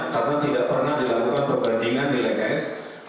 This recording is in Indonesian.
karena tidak pernah dilakukan perbandingan nilai hash